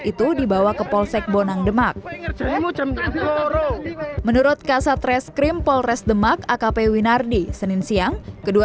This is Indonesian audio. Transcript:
itu dibawa ke polsek bonang demak menurut kasat reskrim polres demak akp winardi senin siang kedua